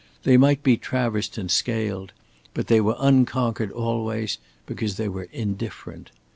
They might be traversed and scaled, but they were unconquered always because they were indifferent.